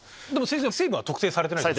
成分は特定されてないんですよね。